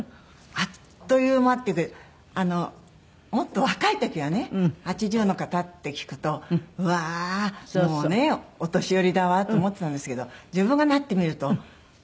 あっという間っていうかもっと若い時はね８０の方って聞くとうわーもうねお年寄りだわと思っていたんですけど自分がなってみると元気ですね。